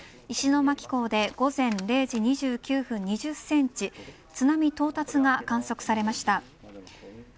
石巻港で午前０時２９分に２０センチ津波到達が観測されました。